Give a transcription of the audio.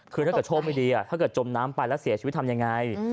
คือถ้าเกิดโชคไม่ดีถ้าเกิดจมน้ำไปแล้วเสียชีวิตทำยังไง